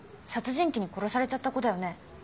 殺人鬼に殺されちゃった子だよね？